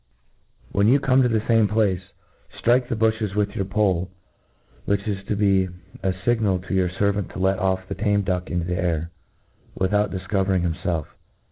When you come to the fame i^t A T R E A T I S E O F fame place, ftrike the bufhcs with your pole, which is to be a fignal to your fervant to let off the tame duck into the air, without difcovering himfelf.